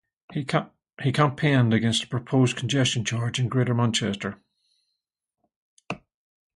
He campaigned against a proposed Congestion Charge in Greater Manchester.